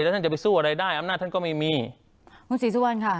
แล้วท่านจะไปสู้อะไรได้อำนาจท่านก็ไม่มีคุณศรีสุวรรณค่ะ